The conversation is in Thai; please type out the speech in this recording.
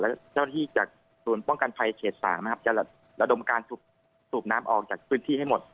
และเจ้าหน้าที่จากศูนย์ป้องกันภัยเขต๓นะครับจะระดมการสูบน้ำออกจากพื้นที่ให้หมด